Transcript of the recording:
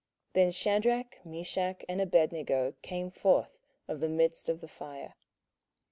Then Shadrach, Meshach, and Abednego, came forth of the midst of the fire.